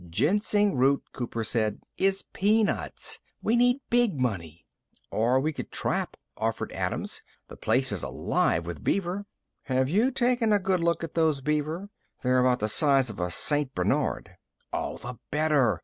"Ginseng root," Cooper said, "is peanuts. We need big money." "Or we could trap," offered Adams. "The place is alive with beaver." "Have you taken a good look at those beaver? They're about the size of a St. Bernard." "All the better.